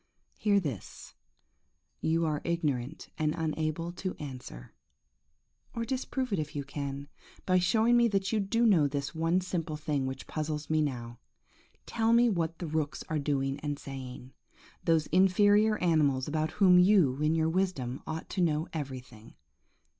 Hear this; you are ignorant and unable to answer; or disprove it if you can, by showing me that you do know this one simple thing which puzzles me now! Tell me what the rooks are doing and saying; those inferior animals about whom you, in your wisdom, ought to know everything.